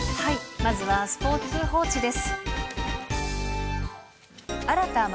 まずはスポーツ報知です。